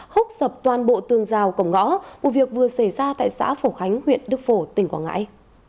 hốc sập toàn bộ tường rào cổng ngõ vụ việc vừa xảy ra tại xã phổ khánh huyện đức phổ tỉnh quảng ngãi